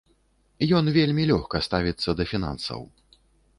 Ён вельмі лёгка ставіцца да фінансаў.